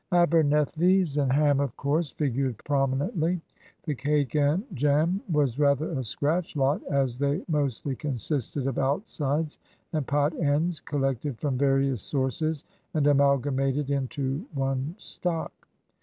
Abernethys and ham, of course, figured prominently. The cake and jam was rather a "scratch lot," as they mostly consisted of "outsides" and "pot ends" collected from various sources and amalgamated into one stock.